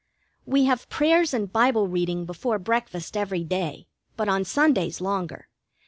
We have prayers and Bible reading before breakfast every day, but on Sundays longer.